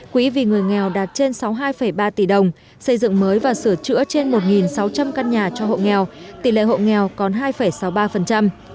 quỹ vì người nghèo đạt trên sáu mươi hai ba tỷ đồng xây dựng mới và sửa chữa trên một sáu trăm linh căn nhà cho hộ nghèo tỷ lệ hộ nghèo còn hai sáu mươi ba